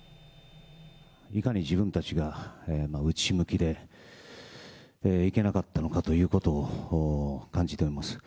いかに自分たちが内向きで、いけなかったのかということを感じております。